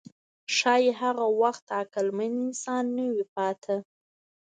ښایي هغه وخت عقلمن انسان نه وي پاتې.